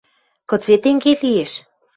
Кыце тенге лиэш?